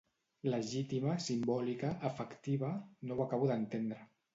Legítima, simbòlica, efectiva… No ho acabo d’entendre.